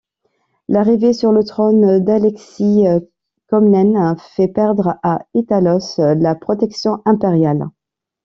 L'arrivée sur le trône d'Alexis Comnène fait perdre à Italos la protection impériale.